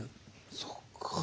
そっか。